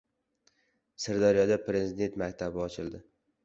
Sirdaryoda Prezident maktabi ochildi